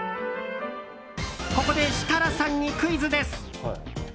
ここで設楽さんにクイズです。